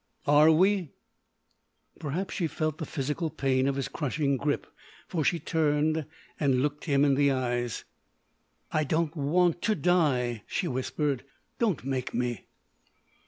"Are we?" Perhaps she felt the physical pain of his crushing grip for she turned and looked him in the eyes. "I don't want to die," she whispered. "Don't make me!"